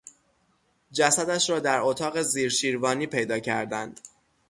جسدش را در اتاق زیر شیروانی پیدا کردند.